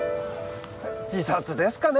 自殺ですかね？